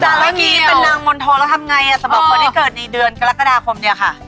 นางมนโธแล้วทำไงสำหรับคนที่เกิดนกรกฎาคมเนี้ยคะ